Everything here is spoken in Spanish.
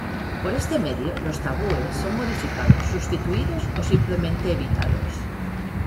Por este medio, los tabúes son modificados, sustituidos o simplemente evitados.